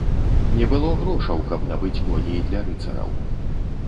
Не было грошаў, каб набыць коней для рыцараў.